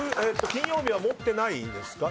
金曜日は持ってないんですか？